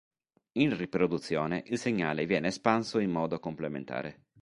In riproduzione il segnale viene espanso in modo complementare.